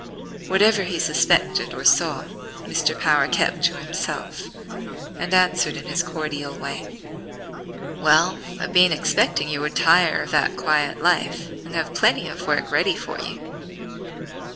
Whatever he suspected or saw, Mr. Power kept to himself, and answered in his cordial way: "Well, I've been expecting you would tire of that quiet life, and have plenty of work ready for you.